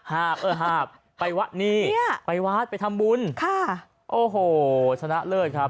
เออหาบไปวัดนี้ไปวัดไปทำบุญค่ะโอ้โหชนะเลิศครับ